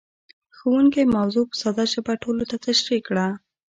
ښوونکی موضوع په ساده ژبه ټولو ته تشريح کړه.